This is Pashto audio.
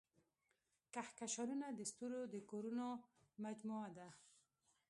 کهکشانونه د ستورو د کورونو مجموعه ده.